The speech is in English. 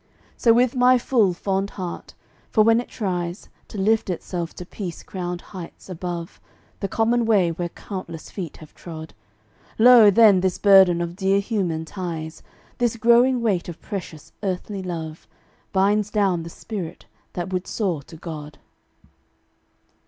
So with my full, fond heart; for when it tries To lift itself to peace crowned heights, above The common way where countless feet have trod, Lo! then, this burden of dear human ties, This growing weight of precious earthly love, Binds down the spirit that would soar to God.